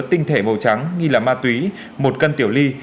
tinh thể màu trắng nghi là ma túy một cân tiểu ly